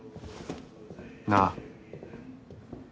なあ。